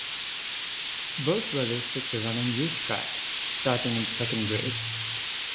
Both brothers took to running youth track starting in the second grade.